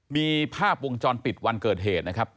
มีภาพวงจรปิดวันเกิดเหตุนะครับ